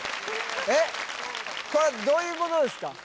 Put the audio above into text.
えっこれはどういうことですか？